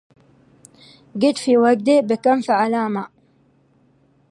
جد في وجده بكم فعلاما